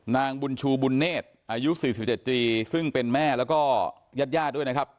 นางบุญชูบุญเนธอายุ๔๗ปีซึ่งเป็นแม่แล้วก็ญาติญาติด้วยนะครับ